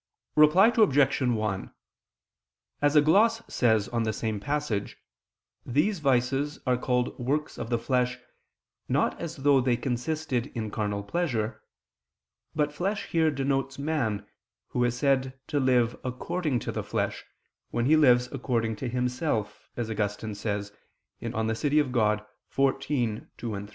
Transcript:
Reply Obj. 1: As a gloss says on the same passage, these vices are called works of the flesh, not as though they consisted in carnal pleasure; but flesh here denotes man, who is said to live according to the flesh, when he lives according to himself, as Augustine says (De Civ. Dei xiv, 2, 3).